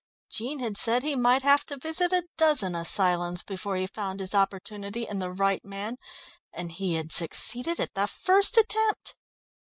Jean had said he might have to visit a dozen asylums before he found his opportunity and the right man, and he had succeeded at the first attempt.